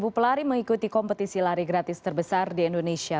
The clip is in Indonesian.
sepuluh pelari mengikuti kompetisi lari gratis terbesar di indonesia